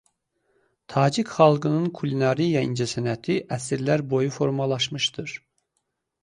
Tacik xalqının kulinariya incəsənəti əsrlər boyu formalaşmışdır.